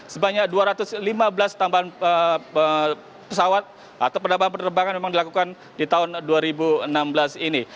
sebanyak dua ratus lima belas tambahan pesawat atau penerbangan penerbangan memang dilakukan di tahun dua ribu enam belas ini